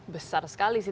besar sekali sih